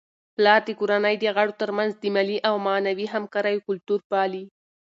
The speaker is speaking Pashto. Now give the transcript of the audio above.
پلار د کورنی د غړو ترمنځ د مالي او معنوي همکاریو کلتور پالي.